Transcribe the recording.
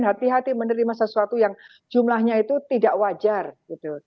hati hati menerima sesuatu yang jumlahnya itu tidak wajar gitu